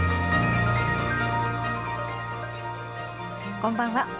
こんばんは。